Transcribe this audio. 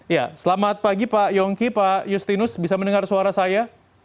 ya selamat pagi pak yongki pak justinus bisa mendengar suara saya